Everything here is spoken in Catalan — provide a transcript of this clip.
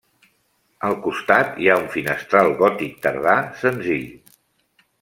Al costat hi ha un finestral gòtic tardà, senzill.